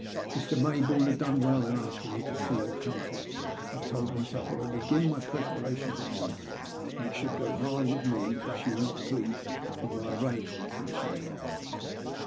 Mr. Mayboume had done weU in asking me to see to her comfort. I told myself I would begin my preparations at once, and it should go hard with me if she were not pleased with my arrangements when she arrived.